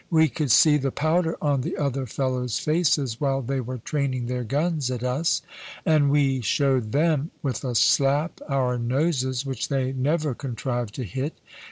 We could see the powder on the other fellows' faces while they were training their guns at us, and we showed them, with a slap, our noses, which they never contrived to hit.